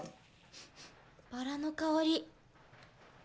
バラの香り。